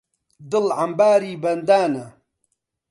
دڵ عەمباری بەندانە